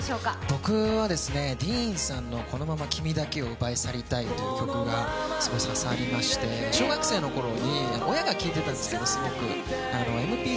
僕はＤＥＥＮさんの「このまま君だけを奪い去りたい」という曲がすごい刺さりまして小学生のころに親が聴いてたんですけど、すごく。